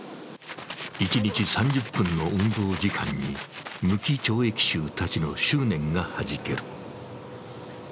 一日３０分の運動時間に無期懲役囚たちの執念がはじける。